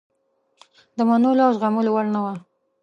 د منلو او زغملو وړ نه وه.